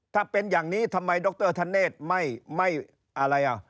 ถ้าเป็นอย่างนี้ทำไมดรธเนธไม่อะไรอ่ะ